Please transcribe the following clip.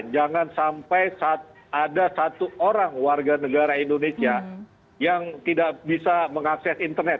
jangan sampai ada satu orang warga negara indonesia yang tidak bisa mengakses internet